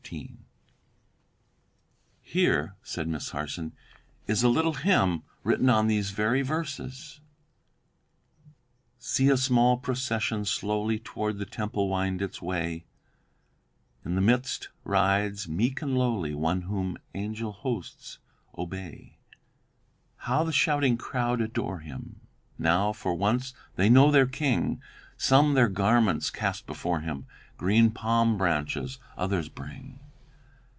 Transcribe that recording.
12, 13. "Here," said Miss Harson, "is a little hymn written on these very verses: "'See a small procession slowly Toward the temple wind its way; In the midst rides, meek and lowly, One whom angel hosts obey. "'How the shouting crowd adore him, Now, for once, they know their King; Some their garments cast before him, Green palm branches others bring.